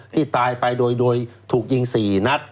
ที่ตายไปโดยถูกยิง๔นัด